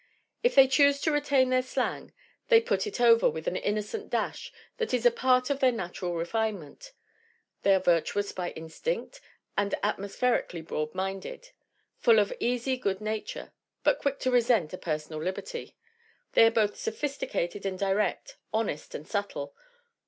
If they choose to retain their slang, they 'put it over' with an innocent dash that is a part of their natural refine ment. They are virtuous by instinct, and atmospher ically broadminded ; full of easy good nature, but quick to resent a personal liberty ; they are both sophisticated GERTRUDE ATHERTON 51 and direct, honest and subtle.